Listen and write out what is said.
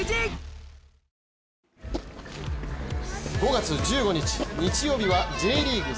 ５月１５日、日曜日はＪリーグ